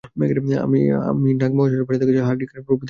অমনি নাগ-মহাশয় বাজার থেকে চাল, হাঁড়ি, কাঠ প্রভৃতি এনে রাঁধতে শুরু করলেন।